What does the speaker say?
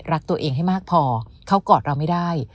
รักตัวเองให้มากพอเขากอดเราไม่ได้